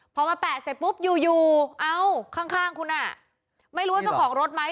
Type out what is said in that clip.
พอมาแปะเสร็จปุ๊บอยู่เอ้าข้างคุณอ่ะไม่รู้ว่าเจ้าของรถไหม